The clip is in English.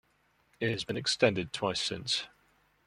It has been extended twice since.